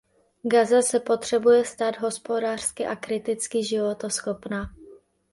Gaza se potřebuje stát hospodářsky a politicky životaschopná.